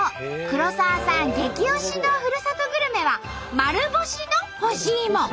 黒沢さん激推しのふるさとグルメは丸干しの干しいも。